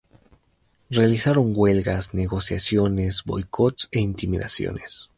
Realizaron huelgas, negociaciones, boicots e intimidaciones.